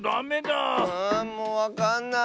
もうわかんない。